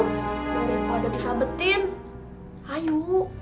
kalau enggak udah disahabatin ayo